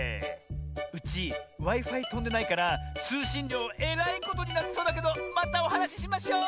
うちＷｉ−Ｆｉとんでないからつうしんりょうえらいことになりそうだけどまたおはなししましょう！